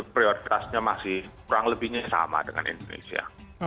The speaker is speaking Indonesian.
prioritasnya masih kurang lebihnya sama dengan indonesia